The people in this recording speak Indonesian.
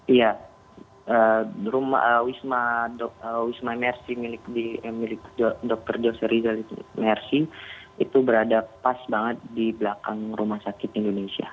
iya rumah wisma mersi milik dr dossi riza itu mersi itu berada pas banget di belakang rumah sakit indonesia